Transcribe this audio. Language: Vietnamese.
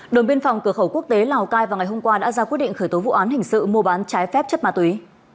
đồn biên phòng cửa khẩu quốc tế lào cai vào ngày hôm qua đã ra quyết định khởi tố vụ án hình sự mua bán trái phép chất ma túy